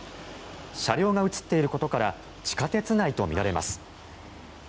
車両が映っていることから地下鉄内とみられます。